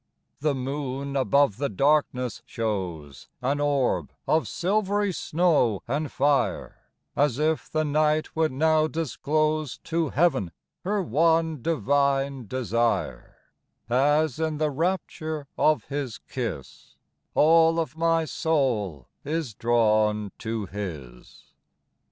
The moon above the darkness shows An orb of silvery snow and fire, As if the night would now disclose To heav'n her one divine desire As in the rapture of his kiss All of my soul is drawn to his.